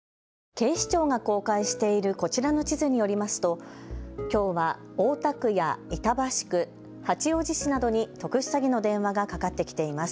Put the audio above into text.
警視庁が公開しているこちらの地図によりますときょうは大田区や板橋区、八王子市などに特殊詐欺の電話がかかってきています。